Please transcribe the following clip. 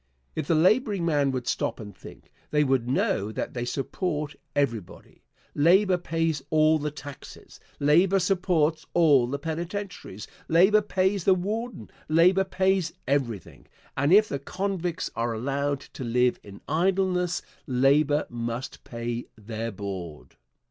If the laboring men would stop and think, they would know that they support everybody. Labor pays all the taxes. Labor supports all the penitentiaries. Labor pays the warden. Labor pays everything, and if the convicts are allowed to live in idleness labor must pay their board.